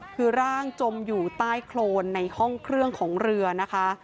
คือร่างจมอยู่ใต้โครนในห้องเครื่องของเรือนะคะ